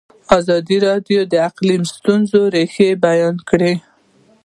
ازادي راډیو د اقلیم د ستونزو رېښه بیان کړې.